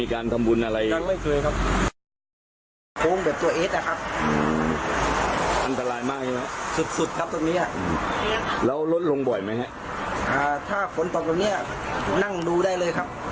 ครับตรงเนี้ยแล้วรถลงบ่อยไหมฮะอ่าถ้าฝนตรงตรงเนี้ยนั่งดูได้เลยครับ